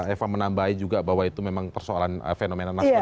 eva menambahi juga bahwa itu memang persoalan fenomena nasional